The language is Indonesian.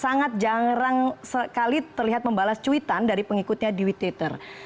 sangat jarang sekali terlihat membalas cuitan dari pengikutnya di witter